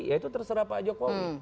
ya itu terserah pak jokowi